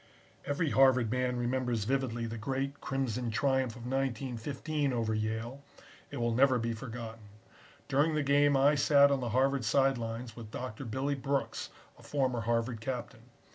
Every Harvard man remembers vividly the great Crimson triumph of 1915 over Yale. It will never be forgotten. During the game I sat on the Harvard side lines with Doctor Billy Brooks, a former Harvard captain.